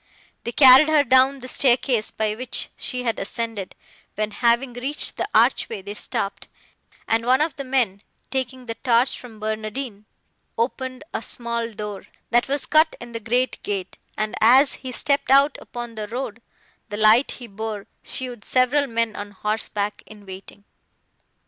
They carried her down the staircase, by which she had ascended; when, having reached the arch way, they stopped, and one of the men, taking the torch from Barnardine, opened a small door, that was cut in the great gate, and, as he stepped out upon the road, the light he bore showed several men on horseback, in waiting.